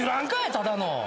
ただの。